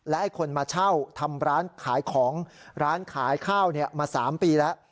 และคนมาเช่าทำร้านขายของร้านขายข้าวมา๓ปีแล้ว